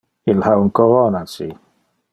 Il ha un corona ci.